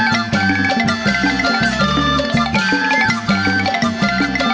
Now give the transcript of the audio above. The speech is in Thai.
กลับมาที่สุดท้าย